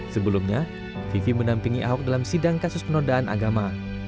sebelumnya vivi menampingi ahok dalam sidang kasus penodaan agama